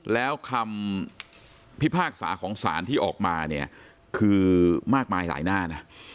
แล้วคำพิพากษาของสารที่ออกมาเนี่ยคือมากมายหลายหน้านะ